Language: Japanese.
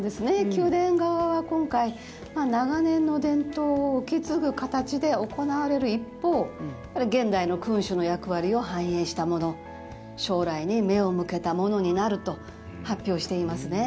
宮殿側は今回長年の伝統を受け継ぐ形で行われる一方現代の君主の役割を反映したもの将来に目を向けたものになると発表していますね。